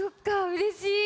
うれしい！